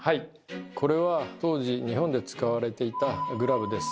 これは当時日本で使われていたグラブです。